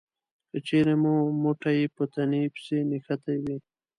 که چېرې مو مټې په تنې پسې نښتې وي